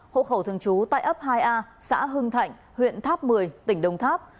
hộ khẩu thường trú tại ấp hai a xã hưng thạnh huyện tháp một mươi tỉnh đồng tháp